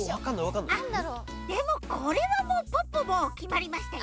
あっでもこれはもうポッポもうきまりましたよ。